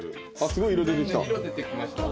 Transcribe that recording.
すごい色出てきた。